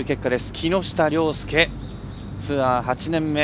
木下稜介、ツアー８年目。